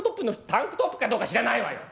「タンクトップかどうか知らないわよ」。